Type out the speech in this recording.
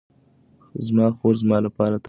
زما خور زما لپاره تل په دعاګانو کې برکت غواړي.